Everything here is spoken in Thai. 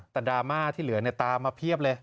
แต่ดราม่าที่เหลือตามมาเพียบเลย